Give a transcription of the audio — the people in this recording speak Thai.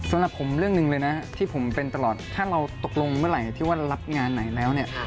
สำหรับผมเรื่องหนึ่งเลยนะที่ผมเป็นตลอดถ้าเราตกลงเมื่อไหร่ที่ว่ารับงานไหนแล้วเนี่ย